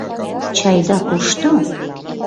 — Чайда кушто?